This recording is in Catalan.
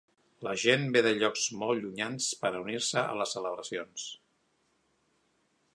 La gent ve de llocs molt llunyans per unir-se a les celebracions.